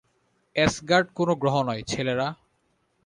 Asgard কোনো গ্রহ না, ছেলেরা।